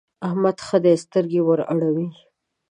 احمد ښه دی؛ سترګې ور اوړي.